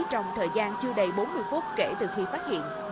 trong thời gian chưa đầy bốn mươi phút kể từ khi phát hiện